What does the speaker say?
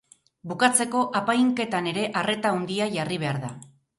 Bukatzeko, apainketan ere arreta handia jarri behar da.